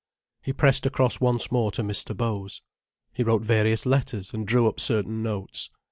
He pressed across once more to Mr. Bows. He wrote various letters and drew up certain notes.